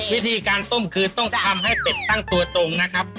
วิธีการต้มคือต้องทำให้เป็ดตั้งตัวตรงนะครับ